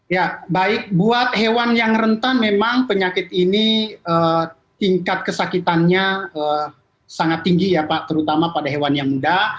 ya baik buat hewan yang rentan memang penyakit ini tingkat kesakitannya sangat tinggi ya pak terutama pada hewan yang muda